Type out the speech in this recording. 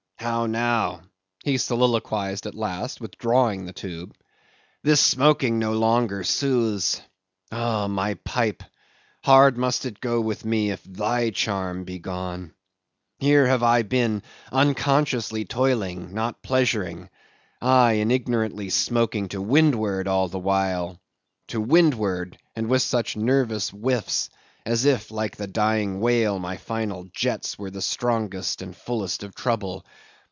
"How now," he soliloquized at last, withdrawing the tube, "this smoking no longer soothes. Oh, my pipe! hard must it go with me if thy charm be gone! Here have I been unconsciously toiling, not pleasuring—aye, and ignorantly smoking to windward all the while; to windward, and with such nervous whiffs, as if, like the dying whale, my final jets were the strongest and fullest of trouble.